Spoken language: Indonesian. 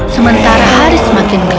sementara hari semakin gelap